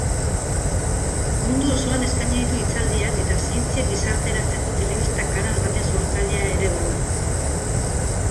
Mundu osoan eskaini ditu hitzaldiak eta zientzia gizarteratzeko telebista-kanal baten sortzailea ere bada.